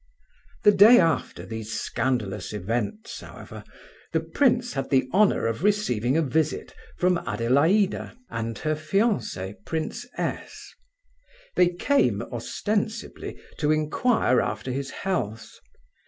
The day after these scandalous events, however, the prince had the honour of receiving a visit from Adelaida and her fiance, Prince S. They came, ostensibly, to inquire after his health.